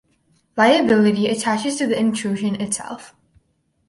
Liability attaches to the intrusion itself.